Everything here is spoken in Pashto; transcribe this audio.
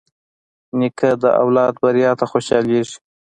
نیکه د اولاد بریا ته خوشحالېږي.